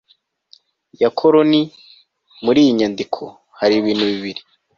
ya koroni Muri iyi nyandiko hari ibintu bibiri